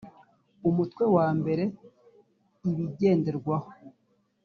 umutwe wa mbere ibigenderwaho